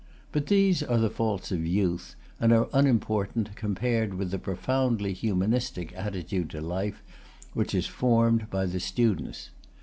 But these are the faults of youth, and are unimportant compared with the profoundly humanistic attitude to life which is formed in the students.